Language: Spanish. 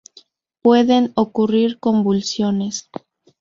Pueden ocurrir convulsiones.